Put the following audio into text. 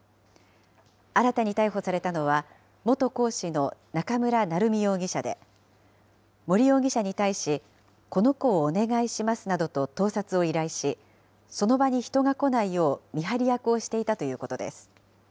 新たに逮捕されたのは、元講師の中村成美容疑者で、森容疑者に対し、この子をお願いしますなどと盗撮を依頼し、その場に人が来ないよう見張り役をしていたということです。